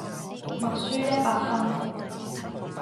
默書一百分